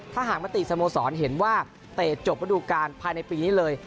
ถ้าหากมติสโมสรเห็นว่าเตะจบระดูการภายในปีนี้เลย